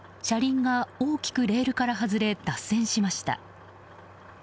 車輪が大きくレールから外れ脱線しました。